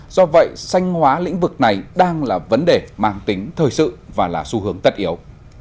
do vậy sanh hóa lĩnh vực này đang là vấn đề mang tính thời sự và là xu hướng tất yếu